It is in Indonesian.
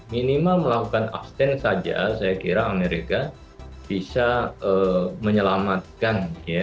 minimal melakukan abstain saja saya kira amerika bisa menyelamatkan